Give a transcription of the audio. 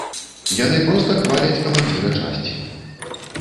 Яны проста хваляць камандзіра часці.